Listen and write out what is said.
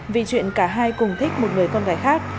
vì chuyện cả hai cùng thích một người con gái khác